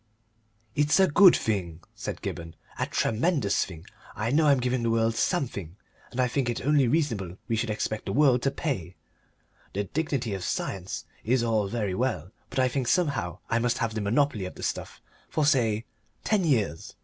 "It's a good thing," said Gibberne, "a tremendous thing. I know I'm giving the world something, and I think it only reasonable we should expect the world to pay. The dignity of science is all very well, but I think somehow I must have the monopoly of the stuff for, say, ten years.